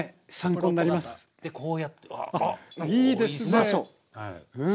うまそう。